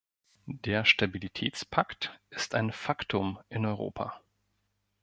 Der Stabilitätspakt ist ein Faktum in Europa.